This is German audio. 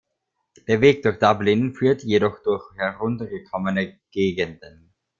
Der Weg durch Dublin führt jedoch durch heruntergekommene Gegenden.